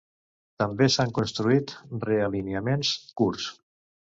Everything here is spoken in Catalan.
També s'han construït realineaments curts.